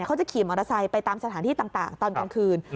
เขาจะขี่มอเตอร์ไซค์ไปตามสถานที่ต่างตอนกลางคืน